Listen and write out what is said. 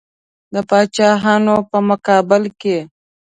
د پاچاهانو په مقابل کې.